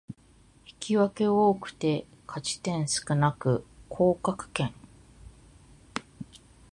引き分け多くて勝ち点少なく降格圏